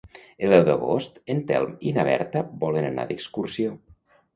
El deu d'agost en Telm i na Berta volen anar d'excursió.